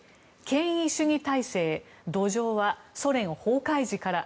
１権威主義体制土壌はソ連崩壊時から。